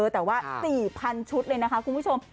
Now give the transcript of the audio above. แต่ว่า๔๐๐ชุดเลยนะคะคุณผู้ชม